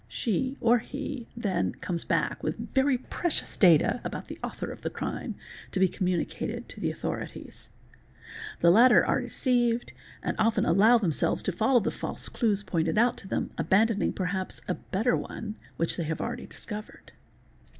She, or he, then comes back with very precious data about the author of the crime, to be communicated to the authorities. The latter are deceived, and often allow themselves to follow the false clue pointed out to them, abandoning perhaps a better one which they have already discovered.